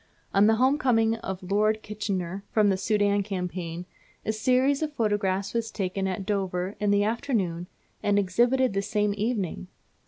On the home coming of Lord Kitchener from the Soudan Campaign, a series of photographs was taken at Dover in the afternoon and exhibited the same evening!